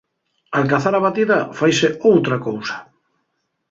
Al cazar a batida faise outra cousa.